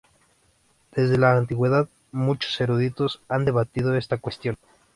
Desde la antigüedad, muchos eruditos han debatido esta cuestión.